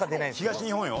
東日本よ。